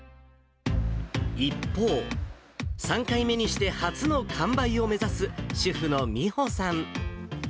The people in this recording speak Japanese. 一方、３回目にして初の完売を目指す主婦の美穂さん。